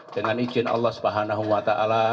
dengan izin allah swt